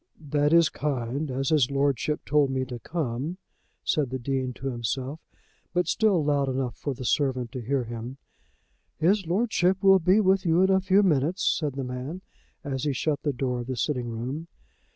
"That is kind, as his lordship told me to come," said the Dean to himself, but still loud enough for the servant to hear him. "His Lordship will be with you in a few minutes," said the man, as he shut the door of the sitting room.